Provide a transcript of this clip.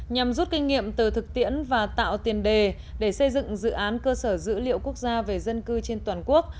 nhằm rút kinh nghiệm từ thực tiễn và tạo tiền đề để xây dựng dự án cơ sở dữ liệu quốc gia về dân cư trên toàn quốc